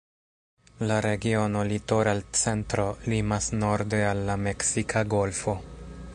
La regiono "Litoral Centro" limas norde al la Meksika Golfo.